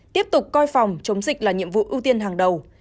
tiếp tục coi phòng chống dịch là nhiệm vụ ưu tiên hàng đầu